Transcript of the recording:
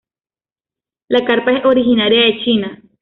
La carpa es originaria de China.